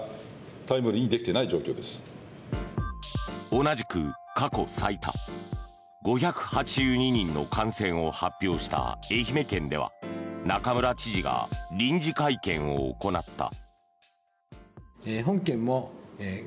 同じく過去最多５８２人の感染を発表した愛媛県では中村知事が臨時会見を行った。